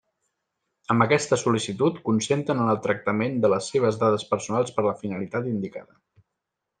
Amb aquesta sol·licitud consenten en el tractament de les seves dades personals per a la finalitat indicada.